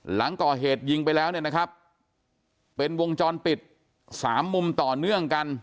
หลังก่อเหตุยิงไปแล้วเนี่ยนะครับเป็นวงจรปิดสามมุมต่อเนื่องกัน